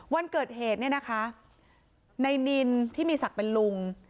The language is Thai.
วันเกิดเหตุเนี่ยนะคะในนินที่มีศักดิ์เป็นลุง